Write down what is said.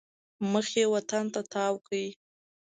مخ یې وطن ته تاو کړی.